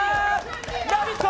ラヴィット！